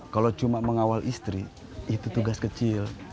kalau cuma mengawal istri itu tugas kecil